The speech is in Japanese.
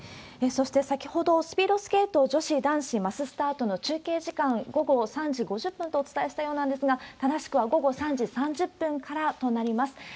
そして先ほど、スピードスケート女子、男子マススタートの中継時間午後３時５０分とお伝えしたようなんですが、正しくは午後３時３０分からとなります。